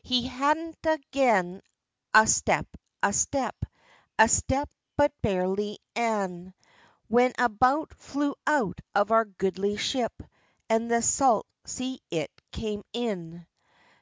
He hadna gane a step, a step, A step but barely ane, When a bout flew out of our goodly ship, And the salt sea it came in.